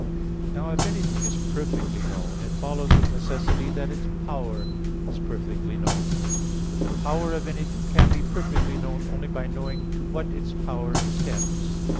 Now if anything is perfectly known, it follows of necessity that its power is perfectly known. But the power of anything can be perfectly known only by knowing to what its power extends.